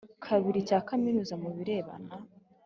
Kabiri cya kaminuza mu birebana